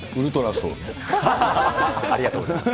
ありがとうございます。